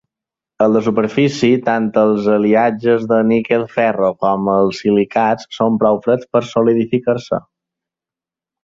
A la superfície, tant els aliatges de níquel-ferro com els silicats són prou freds per solidificar-se.